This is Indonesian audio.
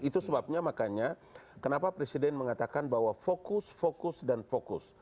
itu sebabnya makanya kenapa presiden mengatakan bahwa fokus fokus dan fokus